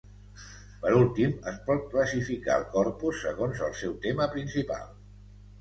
Per últim, es pot classificar el corpus segons el seu tema principal.